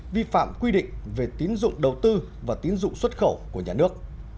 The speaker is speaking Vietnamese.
vi phạm quy định về tín dụng đầu tư và tiến dụng xuất khẩu của nhà nước